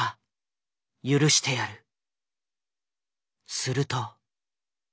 すると。